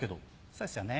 そうですよね。